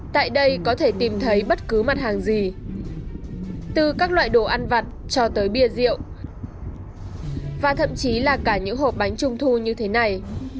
tại đây có thể tìm thấy bất cứ mặt hàng gì từ các loại đồ ăn vặt cho tới bia rượu và thậm chí là cả những hộp bánh trung thu như thế này